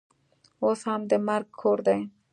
اوس هم د مرګ کور دی.